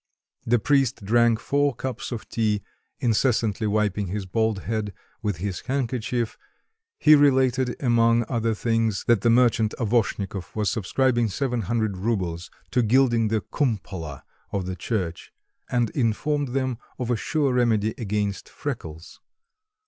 The priest drank four cups of tea, incessantly wiping his bald head with his handkerchief; he related among other things that the merchant Avoshnikov was subscribing seven hundred roubles to gilding the "cumpola" of the church, and informed them of a sure remedy against freckles.